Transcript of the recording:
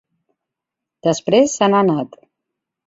Després se n’ha anat.